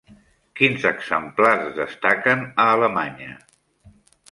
Quins exemplars destaquen a Alemanya?